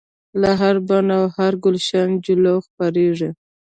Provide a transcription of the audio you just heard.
له هر بڼ او هر ګلشن جلوه خپریږي